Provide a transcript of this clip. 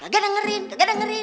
gak ada ngerin gak ada ngerin